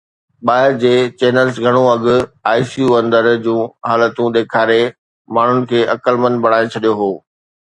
ٻاهر جي چينلز گهڻو اڳ ICU اندر جون حالتون ڏيکاري ماڻهن کي عقلمند بڻائي ڇڏيو هو